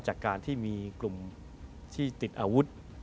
จากการที่มีกลุ่มที่ติดอาวุธ